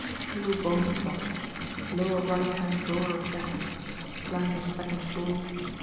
steel bond box... lower right hand drawer of desk... plan of second floor...